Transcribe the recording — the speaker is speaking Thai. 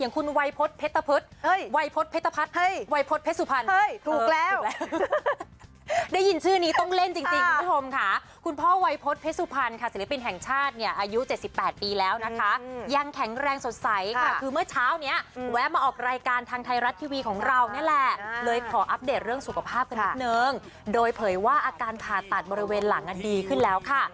คุณพ่อวัยพจิเพชรสุพรรณค่ะศิลปินแห่งชาติเนี่ยอายุเจ็ดสิบแปดปีแล้วนะคะยังแข็งแรงสดใสค่ะคือเมื่อเช้านี้เออแวะมาออกรายการทางไทยรัฐทีวีของเรานี่แหละอ่าเลยขออัพเดตเรื่องสุขภาพนิดหนึ่งค่ะโดยเผยว่าอาการผ่าตัดบริเวณหลังอ่ะดีขึ้นแล้วค่ะ